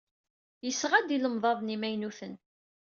Yesɣa-d ilemḍaden imaynuten.